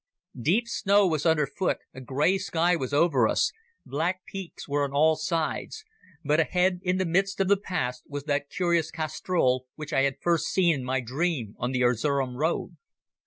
Deep snow was underfoot, a grey sky was over us, black peaks were on all sides, but ahead in the mist of the pass was that curious castrol which I had first seen in my dream on the Erzerum road.